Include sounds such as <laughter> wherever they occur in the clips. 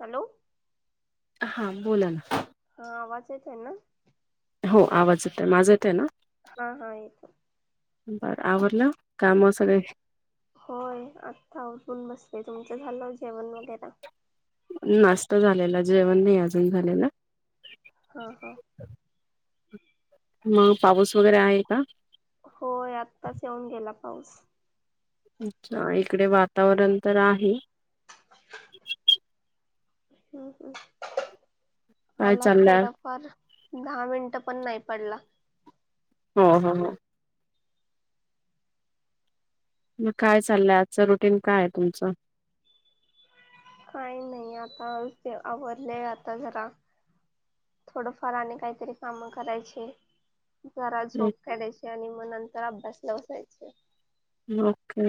Hello हां बोला ना. हा आवाज येत आहे ना. हो आवाज य आहे माझा येत आहे ना. हा हा येतो. बरं आवडलं काम सगळे. होय आत्ता उटून बसले तुमचं झालं जेवण वगैरे नाश्ता झालेला जेवण नाही अजून झालेलं. हा हा मग पाऊस वगैरे आहे का? होय आत्ताच येऊन गेला पाऊस. अच्छा इकडे वातावरण तर आहे. हम् ह् काय आला चाललंय थोडा. फार दहा मिनटं पण नाही पडला. हो ह ह मग काय चाललंय आजचं रुटीन काय आहे तुमचं. काही नाही आता आवडले आता जरा. थोडंफार आणि काहीतरी कामं करायचे. जरा झोप काढायची आणि मग नंतर अभ्यासला बसायचे. ओके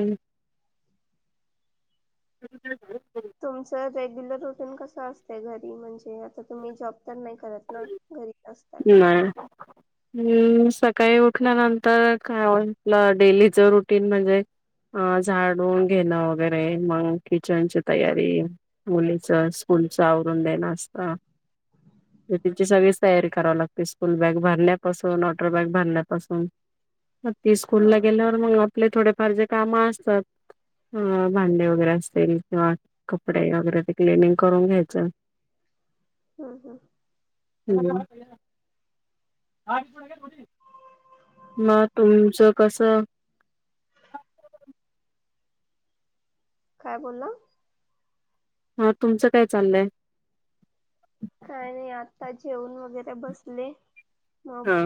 ह हो तुमचं रेग्युलर रुटीन कसं असते घरी म्हणजे आता तुम्ही जॉब तर नाही करत ना. घरीच असताय नाही. हम्म सकाळी उठल्यानंतर काय म्हटलं डेलीच रुटीन म्हणजे अ झाडून घेलं वगैरे मग किचनची तयारी. मुलीच स्कूलच आवरून देण असता त्यांची सगळी तयारी करा ला स्कूल बॅग भरण्यापासून टर बॅग भरण्यापासून ती स्कूल हा ला गेल्यावर मग आपले थोडेफार जे काम असतात. अ भांडे वगैरे असतील किंवा कपडे वगैरे ते क्लिनिंग करून घ्यायचं. हा हा हम् हां का थोडी मग तुमचं कसं काय बोलला हा तुमचं काय चाललंय काय नाही आता जेवून वगैरे बसले मग हा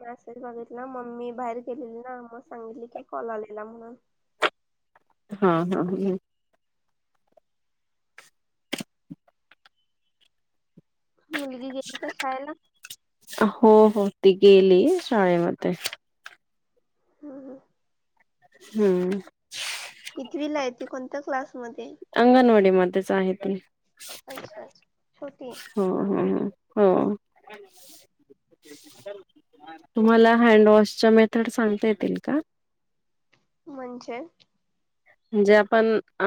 मासेच बघितलं मम्मी बाहेर गेलेली ना मग सांगितली की कॉल आलेला म्हणून हा हा ह मुलगी गेली का शाळेला हो हो ती गेली शाळेमध्ये हां हां हम्म इथवी ला येत कोणत्या क्लासमध्ये अंग नोडी मध्ये साहत्री अच्छा अच्छा छोट हो ह हो तुम्हाला हँडवॉशच्या मेथड सांगता येतील का म्हणजे म्हणजे आपण अ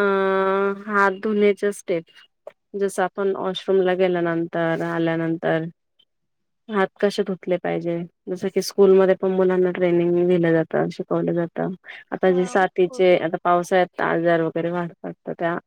हात धुण्याचे स्टेप जस आपण वॉशरूमला गेल्यानंतर आल्यानंतर हात कसे धुतले पाहिजे जस की स्कूलमध्ये पण मुलांना ट्रेनिंग दिलं जातं शिकवलं जातं आता जे हा साातीचे पूर्ण आता पावस आहेत आजार वगैरे वाढतात त्या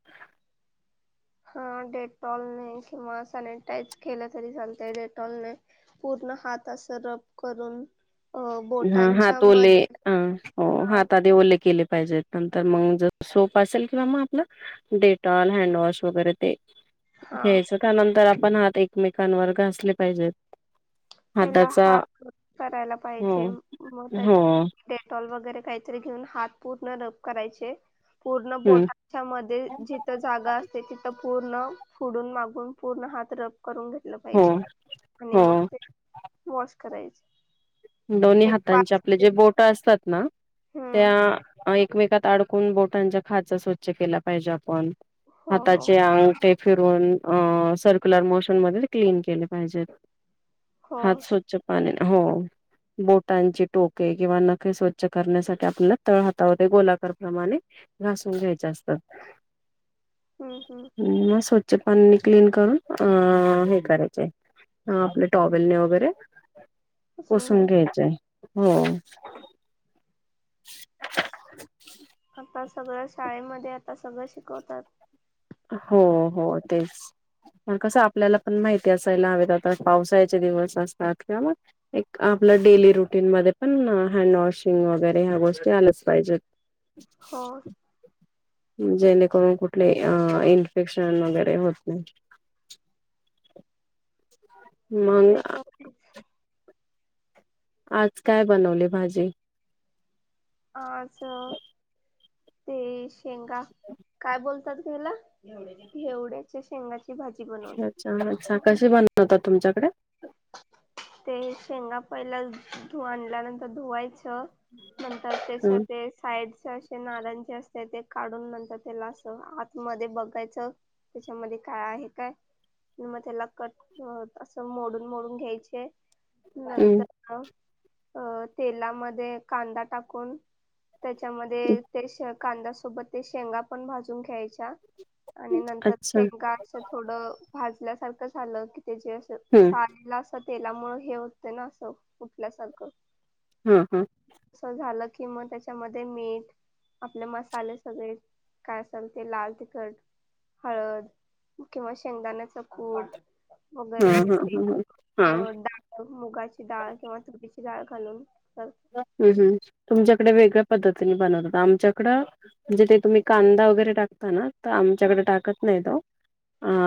हा डेटॉलने किंवा सॅनिटाईज केलं तरी चालत डेटॉलने पूर्ण हात असं रप करून अ हा बोटांच्या हात ओले मध्ये हो हा हात आधी ओले केले पाहिजेत नंतर मग ज सोप असेल किंवा मग आपलं डेटॉल हँडवॉश वगैरे ते हा, घ्यायच त्यानंतर आपण हात एकमेकांवर घासले पाहिजेत पहिला हाताचा हा करायला हो पाहिजे मत हो डेटॉल वगैरे काहीतरी घेऊन हात पूर्ण रब करायचे पूर्ण हम्म पोटाच्या मध्ये ज जागा असते तिथं पूर्ण फुडून मागून पूर्ण हात रप करून घेतलं हो पाहिजे आणि हो मग ते वॉश करायचे दोन्ही एक हातांचे पाच आपले जे मिनिट बोट असतात ना हम्म त्या एकमेकातड बोट ख स्वचछ केला पाजे आप हो हा हो अ फिरून अ सर्क्युलर मोशन मध्ये क्लीन केले पाहिजेत हो हात स्वच्छ पाण्याने हो बोटांची टोके किंवा नखे स्वच्छ करण्यासाठी आपल्याला तळ हातावते गोलाकार प्र्रमाणे घासून घ्यायचे असतात हम हम मग स्वच्छ पाननी क्लीन करून अ हे करायचे आहे ह आपले टॉबलने वगैरे पुसून पसून घ्यायचे घ्यायचय हो आता सगळं शाळेमध्ये आता सगळं शिकवतात हो हो तेच पग कसं आपल्याला पण माहिती असायला हवेत आता पावसाळ्याचे दिवस असतात किंवा मग एक आपलं डेली रुटीन मध्ये पण हँड वॉशिंग वगैरे ह्या गोष्टी आल्याच पाहिजेत अच् हो जेणेकरून कुठले अ इन्फेक्शन वगैरे होत नाही मग ते तर आज काय बनवली भाजी आच ते शेंगा काय बोलतात घयला हेवड्याचे शेंगाची भाजी बनवली च्छच्छा कशी बनवतात तुमच्याकडे ते शेंगा पहिला धु आणल्यानंतर धुवायचं. नंतर तेच ह तेच साईडचे असे नारण जे असते ते काढून म्हणतात त्याला असं आतमध्येध्ये बघायचं. त्याच्यामध्ये काय आहे काय मग त्याला कट अस मोडून मोडून घ्यायचे नंतर अ तेलामध्ये कांदा टाकून त्याच्यामध्ये ते कांद्या सोबत ते शेंगा पण भाजून घ्यायच्या. आणि नंतर अच्छा शेंगा असं थोडं भाजल्यासारखं झालं की त्या जे असं. हम्. पाला असं तेलामु हे होतं ना असं कुठल्यासारखं? हा हा. अस झालं की मग त्याच्यामध्ये मीठ आपले मसाले सगळे काय असाल ते लाल तिखट हळद किंवा शेंगदाण्याच कूट हा हा हा ह. हा म डाळ मुगाची डाळ किंवा चीची डाळ घालून. तर हम् हम तुमच्याकडे वेगळ्या पद्धतीने बनवतात आमच्याकडं. म्हणजे ते तुम्ही कांदा वगैरे टाकता ना तर आमच्याकडे टाकत नाही तो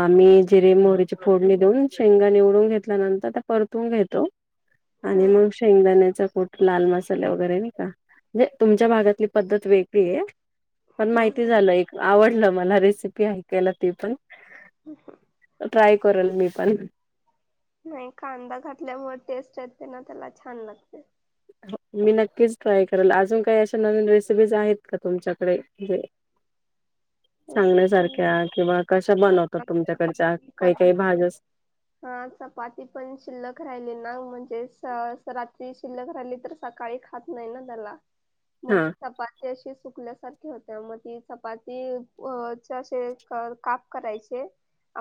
आम्ही जिरे मोहरीची फोडणी देऊन शेंगा निवडून घेतल्यानंतर त्या परतून घेतो. आणि हम्म मग शेंगदाण्याचा कठ. लाल मसाले वगैरे नाही का म्हणजे तुमच्या भागातली पद्धत वेगळी आहे. पण हम्म माहिती हम्म झालं एक आवडलं मला रेसिपी ऐकायला ते पण ह हा. ट्राय करेल मी पण नाही कांदा घातल्यामुळे टेस्ट य ते ना त्याला छान लागते. मी नक्कीच ट्राय करेल अजून काही अशा नवीन रेसिपीज आहेत का तुमच्याकडे जे <unintelligible> रेसिपी सांगण्यासारख्या किंवा कशा बनवतात तुमच्याकडच्या चपाती पण काही काही भाज्या हा चपाती पण शिल्लक राहिली नाग म्हणजे रात्री शिल्लक राहिली तर सकाळी खात नाही ना त्याला ह. मग त चपाती अशी सुकल्यासारखी होत्या मग ती चपाती अे काप करायचे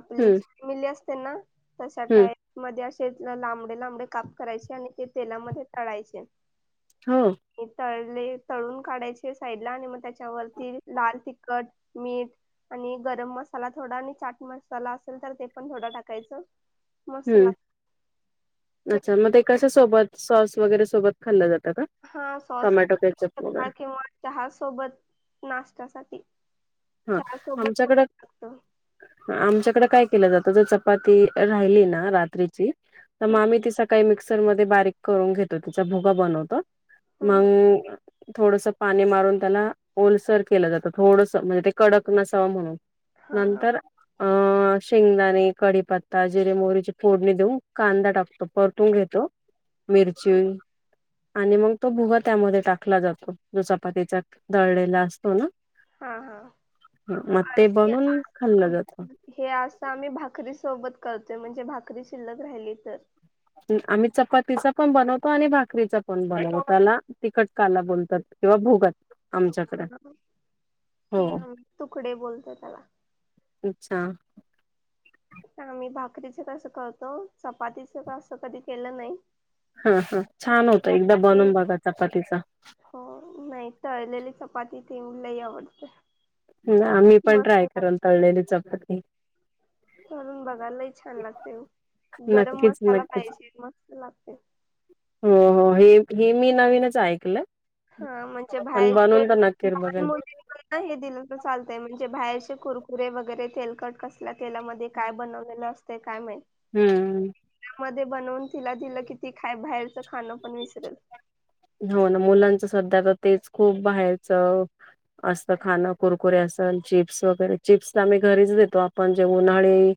आपली हम्म ज फॅमिली असते ना. तशा हम्म टाईप मध्ये असे लांबडे लांबडे काप करायचे आणि ते तेलामध्ये तळायचे. हो. हे तळले तळून काढायचे साईड ला आणि मग त्याच्यावरती लाल तिखट मी आणि गरम मसाला थोडा आणि चाट मसाला असेल तर ते पण थोडा टाकायचं. मस्त हम् लागते अच्छा मग ते कश सोबत सॉस वगैरे सोबत खाल्लं जातं का? हा सॉस टोमॅटो केचप कि वगैरे चहा सोबत नाश्त्यासाठी हा चहा सोबत आमच्याकडे मस् लागत. आमच्याकडे काय केलं जातं तर चपाती राहिली ना रात्रीची तर मग हम्म आम्ही ति सकाळी मिक्सरमध्येध्ये बारीक करून घेतो तिचा भुगा बनवतो. हम्म मग थोडस पाणी मारून त्याला ओलसर केलं जातं थोडस म्हणजे कडक नसावा म्हणून हा हा नंतर शेंगदाणे कढीपत्ता जिरे मोरीची फोडणी देऊन कांदा टाकतो परतून घेतो. मिरची. आणि मग तो भुगा त्यामध्ये टाकला जातो, जो चपातीचा दळलेला असतो ना. हा हा! म ते हे आ बनून खाल्लं जात. हे असं आम्ही भाकरी सोबत करतोय, म्हणजे भाकरी शिल्लक राहिली तर. आम्ही चपातीचा पण बनवतो, आणि भाकरीचा पण बनवतो, त्यांला तिखटकाला बोलतात. किंवा भुगा आमच्याकड हा. हो. हे आम्ही तुकडे बोलतो त्याला अच्छा. आम्ही भाकरीच तसं करतो, चपातीच आसं कधी केलं नाही. हा हा छान होतं एकदा चपाती बनून बघा चपातीचा. हो नाही तळलेली चपाती तीवलई आवडते. ना आम्ही पण मस्त ट्राय करन, लागते तळलेली चपाती. तळून बघा लयी छान लागते, गरम नक्कीच मसाला नक्कीच. पाहिजे मस्त लागते. हो हो, हे हे, मी नवीनच ऐकलं. हा म्हणजे पण बनवून <unintelligible> तर नक्कीच बघेल <unintelligible> हे दिलं तर चालतय म्हणजे बाहेरचे कुरकुरे वगैरे तेलकट कस ला तेलामध्ये काय बनवलेलं असते काय माहित. हूं! मध्ये बनवून तिला दिलं कि, तीखाय बाहेरचं खाणं पण विसरेन. हो ना मुलांच सध्या तर तेच खूप बाहेरचं असतं खाणं कुरकुरे असल चिप्स वगैरे, चिप्स तर आम्ही घरीच देतो आपण जे उन्हाळी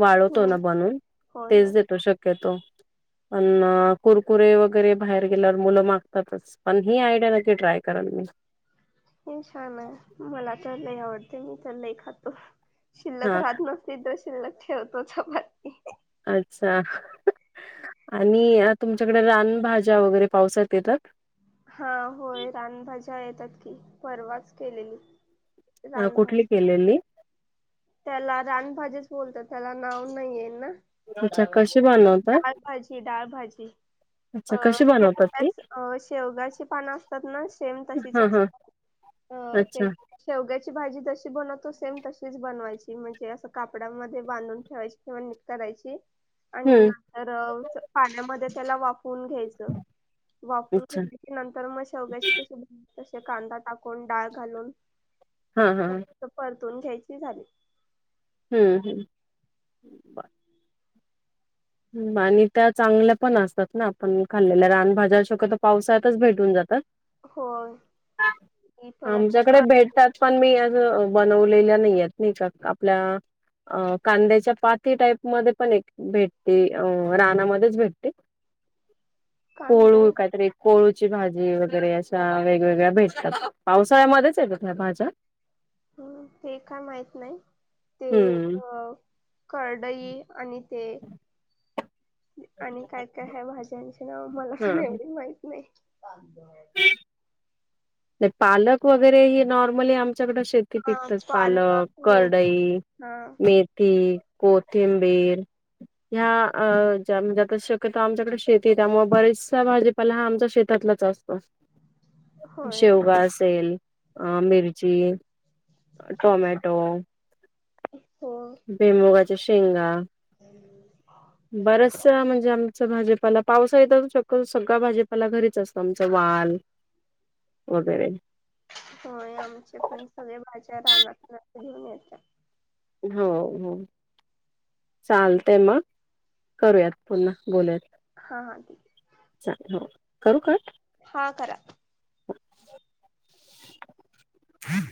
वाळवतो ना हम्म बनून होय होय तेच देतो शक क्यतो पण कुरकुरे वगैरे बाहेर गेल्यावर मुलं मागतातच, पण ही आयडिया नक्की ट्राय करल मी. हे छान आहे मला त लई आवडते मी त लई खातो शिल्लक हा राहत त द शिल्लक ठेवतो चपाती. अच्छा आणि अ तुमच्याकडे रानभाज्या वगैरे पावसात येतात. हा होय रानभाज्या, येतात की परवाच केलेली. अ, रान कुठली भाजी ती. केलेली त्याला रान भाजीच, बोलतात त्याला नाव नाही आहे ना. अच्छा कशी डाळभजी बनवतात हा डाळभजी, डाळभाजी. अच्छा अ कशी बनवतात शेव ती? अ शेवगाची पानं असतात ना शेम तशीच हां, हां. असतात. अ ते अच्छा. शेवग्याची, भाजी जशी बनवतो सेम तशी बनवायची म्हणजे, अस कापडामध्ये बांधून ठेवायची किंवा नितरायची आणि हं. तर असं पाण्यामध्ये त्याला वाफवून घ्यायचं. वाफवून अच्छा. घेतली की नंतर, म शेवग्याची कशी तशी कांदा टाकून, डाळ घालून. हां हां! त्यात परतून घ्यायची झाली. हूं हूं! <inaudible> आणि त्या चांगल्या पण असतात ना, आपण खाल्लेल्या रान भाज्या, शक्यतो पावसाळ्यातच भेटून जातात. होय मी परत आमच्याकडे कांदे भेट तात पण मी आज बनवलेल्या नाहीय नाही का आपल्या. अ कांद्याच्या पाती टाईप मध्ये पण एक भेट ते अ रानामध्येच भेटते कांदे कोळू काहीतरी कोळूची भाजी वगैरे, अशा वेगवेगळ्या भेटतात, पावसाळ्यामध्येच येतात न भाज्या. हं तें काय माहित नाही, ते हं. अ करडई आणि ते आणि काय, काय आहे भाज्यांचे नाव मला हां, पण हां. एवढी माहित नाही. पालक वगैरे ही नॉर्मली आमच्याकड शेत ती हा पिकतचं पालक, मे करडई, हा मेथी, कोथिंबीर. ह्या अ ज्या म्हणजे आता शक्यत आमच्याकडे शेती त्यामुळे बरीेशा भाजी पाला हा आमचा शेतातलाच असतो. होय शेवगा असेल अ मिरची, टोमॅटो हो बेमोगाच्या शेंगा हॅलो बरचस म्हणजे आमचं भाजपाला पावसा येत शको सगळं भाजपाला घरीच असतो आमचं वाल वगैरे होय आमचे पण सगळे भाज्या रानातनं घेऊन येतात. हो हो. चालते मग करूयात पुन्हा बोलूयात. हां हां ठीक. चाल हो करू कट? हा करा. हम्